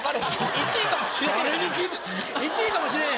１位かもしれん。